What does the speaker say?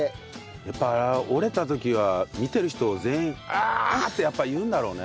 やっぱりあれ折れた時は見てる人全員「あ」ってやっぱ言うんだろうね。